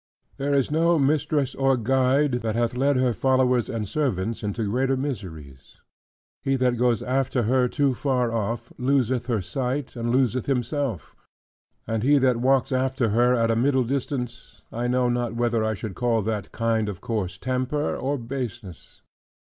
There is no mistress or guide, that hath led her followers and servants into greater miseries. He that goes after her too far off, loseth her sight, and loseth himself: and he that walks after her at a middle distance: I know not whether I should call that kind of course, temper, or baseness.